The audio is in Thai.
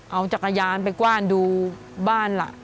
เอาจักรยานไปกว้านดูบ้านล่ะ